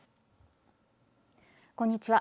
こんにちは。